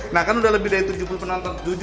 nah kan sudah lebih dari tujuh puluh penonton